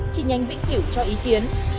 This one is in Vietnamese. chỉ nhanh vĩnh kiểu cho ý kiến